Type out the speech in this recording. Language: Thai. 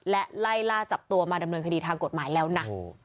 และไล่ล่าจับตัวมาดำเนินคดีทางกฎหมายแล้วนะ